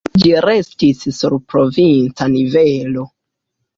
Ĝi restis sur provinca nivelo.